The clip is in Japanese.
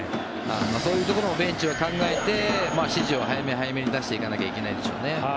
そういうところもベンチは考えて指示を早め早めに出していかなきゃいけないでしょうね。